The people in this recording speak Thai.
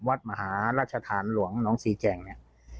วัดมหาราชธานหลวงน้องสี่แก่งเนี่ย